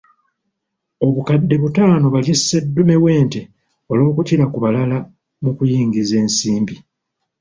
Obukadde butaano balye sseddume w'ente olwokukira ku balala mu kuyingiza ensimbi.